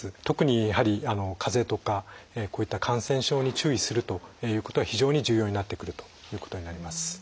特にやはり風邪とかこういった感染症に注意するということは非常に重要になってくるということになります。